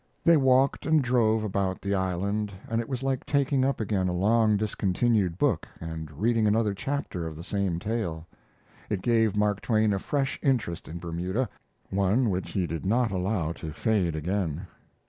They walked and drove about the island, and it was like taking up again a long discontinued book and reading another chapter of the same tale. It gave Mark Twain a fresh interest in Bermuda, one which he did not allow to fade again.